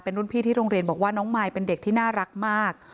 รุ่นพี่ที่โรงเรียนบอกว่าน้องมายเป็นเด็กที่น่ารักมาก